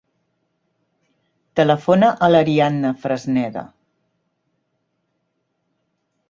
Telefona a l'Arianna Fresneda.